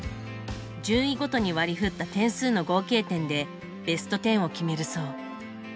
順位ごとに割り振った点数の合計点でベスト１０を決めるそう。